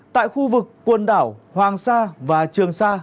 tại khu vực quần đảo hoàng sa và trường sa